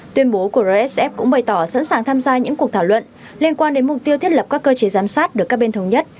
tuyên bố của rsf cũng bày tỏ sẵn sàng tham gia những cuộc thảo luận liên quan đến mục tiêu thiết lập các cơ chế giám sát được các bên thống nhất